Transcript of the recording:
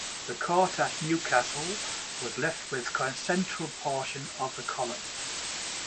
The court at New Castle was left with the central portion of the colony.